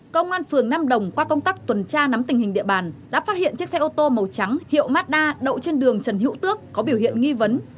công an phường nam đồng qua công tác tuần tra nắm tình hình địa bàn đã phát hiện chiếc xe ô tô màu trắng hiệu mazda đậu trên đường trần hữu tước có biểu hiện nghi vấn